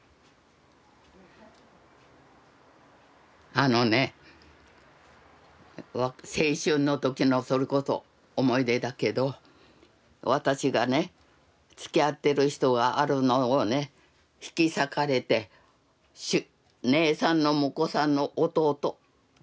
あのね青春の時のそれこそ思い出だけど私がねつきあってる人があるのをね引き裂かれて姉さんの婿さんの弟と一緒に無理やりに。